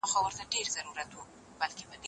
که له کور څخه دباندې خدمتونه وي نو خادم به څوک وي؟